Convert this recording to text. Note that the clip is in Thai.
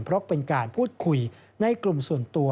เพราะเป็นการพูดคุยในกลุ่มส่วนตัว